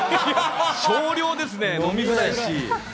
少量ですね、飲みづらいし。